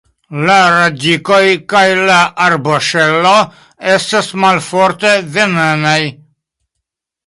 La radikoj kaj la arboŝelo estas malforte venenaj.